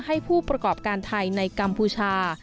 ให้ผู้ประกอบการไทยในกัมพูชา